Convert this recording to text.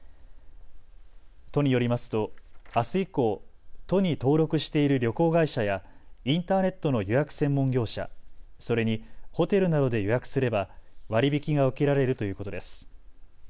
都によりますとあす以降、都に登録している旅行会社やインターネットの予約専門業者、それにホテルなどで予約すれば割り引きが受けられるということです。